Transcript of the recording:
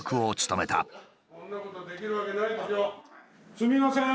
すみません。